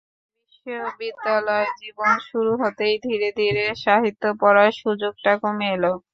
তবে বিশ্ববিদ্যালয়জীবন শুরু হতেই ধীরে ধীরে সাহিত্য পড়ার সুযোগটা কমে এল।